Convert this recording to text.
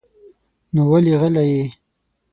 نو ولې غلی يې؟